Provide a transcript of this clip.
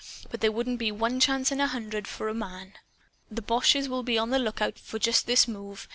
But there wouldn't be one chance in a hundred, for a MAN. The boches will be on the lookout for just this move.